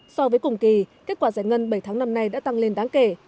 so với cùng kỳ kết quả giải ngân bảy tháng năm nay đã tăng lên đáng kể